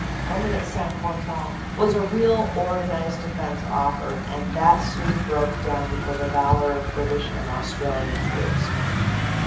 Only at St. Quentin was a real organized defense offered, and that soon broke down before the valor of British and Australian troops.